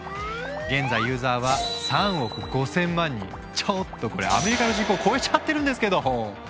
現在ユーザーはちょっとこれアメリカの人口超えちゃってるんですけど！